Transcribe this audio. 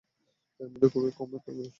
এর মধ্যে খুব কমই তেল অবশিষ্ট আছে।